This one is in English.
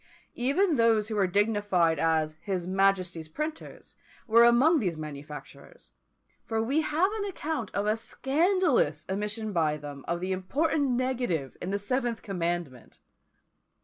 Even those who were dignified as "his Majesty's Printers" were among these manufacturers; for we have an account of a scandalous omission by them of the important negative in the seventh commandment!